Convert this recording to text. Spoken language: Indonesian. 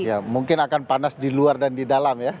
ya mungkin akan panas di luar dan di dalam ya